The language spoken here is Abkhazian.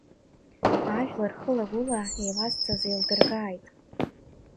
Ажәлар хыла-гәыла еилазҵаз еилдыргааит.